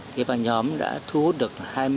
thế và nhóm đã thu hút được hai mươi năm thầy cô giáo